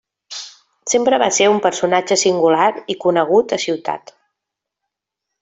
Sempre va ser un personatge singular i conegut a ciutat.